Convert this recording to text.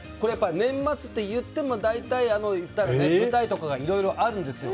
年末って、言っても大体舞台とかがいろいろあるんですよ。